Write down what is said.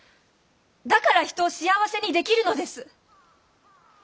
だから人を幸せにできるのです。